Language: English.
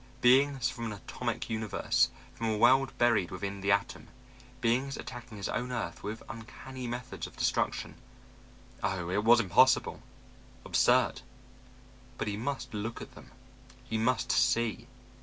Beings from an atomic universe, from a world buried within the atom; beings attacking his own earth with uncanny methods of destruction. Oh, it was impossible, absurd, but he must look at them, he must see.